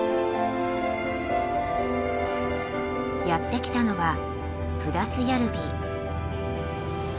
やって来たのはプダスヤルヴィ。